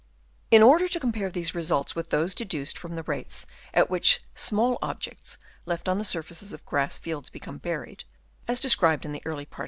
In order to compare these results with those deduced from the rates at which small objects left on the surfaces of grass fields become buried (as described in the early part 174 THICKNESS OF THE MOULD Chap. III.